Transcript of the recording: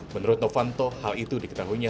menurut novanto hal itu diketahuinya